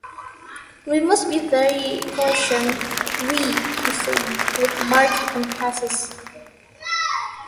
We must be very cautious.’ ‘We!’ he said, with marked emphasis.